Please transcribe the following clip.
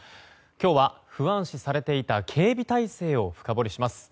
今日は、不安視されていた警備態勢を深掘りします。